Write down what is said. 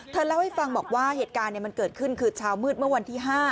เล่าให้ฟังบอกว่าเหตุการณ์มันเกิดขึ้นคือเช้ามืดเมื่อวันที่๕